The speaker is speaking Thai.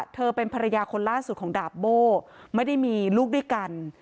เธอเป็นภรรยาคนล่าสุดของดาบโบ้ไม่ได้มีลูกด้วยกัน